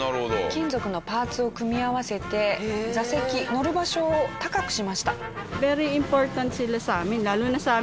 金属のパーツを組み合わせて座席乗る場所を高くしました。